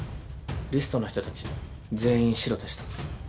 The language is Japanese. リストの人たち全員シロでした。